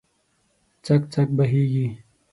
څک، څک بهیږې